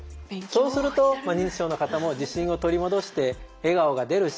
そうすると認知症の方も自信を取り戻して笑顔が出るし